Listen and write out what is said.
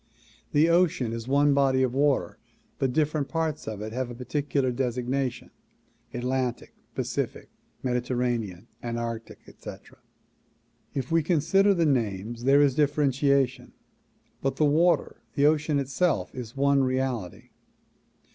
The ocean is one body of water but different parts of it have particular designation, Atlantic, Pacific, Mediterranean, Antarctic, etc. If we consider the names, there is differentiation, but the water, the ocean itself is one reality.